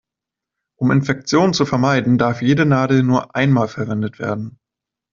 Um Infektionen zu vermeiden, darf jede Nadel nur einmal verwendet werden.